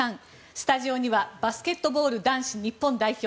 スタジオにはバスケットボール男子日本代表